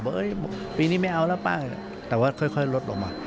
บอกว่าปีนี้ไม่เอาแล้วเปล่าแต่ว่าค่อยลดลงมา